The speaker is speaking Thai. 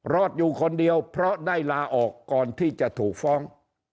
รอดอยู่คนเดียวเพราะได้ลาออกก่อนที่จะถูกฟ้อง